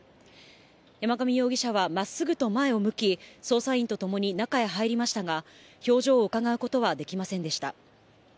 山上容疑者はまっすぐと前を向き、捜査員と共に中へ入りましたが、表情をうかがうことはできませんでした。